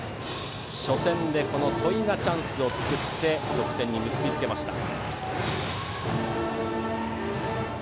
初戦では戸井がチャンスを作って得点に結びつけました。